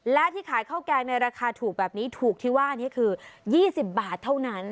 และที่ขายข้าวแกงในราคาถูกแบบนี้ถูกที่ว่านี้คือ๒๐บาทเท่านั้น